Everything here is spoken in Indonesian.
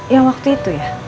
yang waktu itu ya